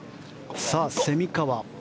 蝉川。